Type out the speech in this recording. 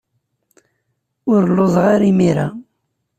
Ur lluẓeɣ ara imir-a.